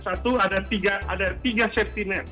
ada tiga safety net